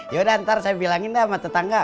yaudah ntar saya bilangin dah sama tetangga